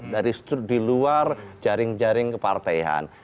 dari luar jaring jaring keparteian